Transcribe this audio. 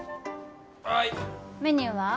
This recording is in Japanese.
あーいメニューは？